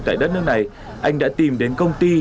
tại đất nước này anh đã tìm đến công ty